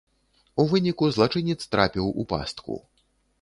У выніку злачынец трапіў у пастку.